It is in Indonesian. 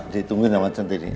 ditungguin sama cente nih